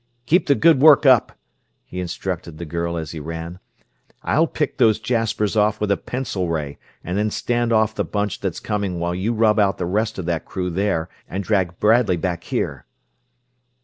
"Keep the good work up!" he instructed the girl as he ran. "I'll pick those jaspers off with a pencil ray and then stand off the bunch that's coming while you rub out the rest of that crew there and drag Bradley back here."